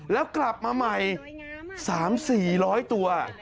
แล้วกลับมาใหม่๓๔๐๐ตัว